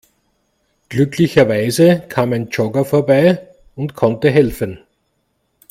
Glücklicherweise kam ein Jogger vorbei und konnte helfen.